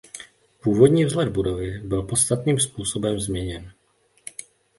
Původní vzhled budovy byl podstatným způsobem změněn.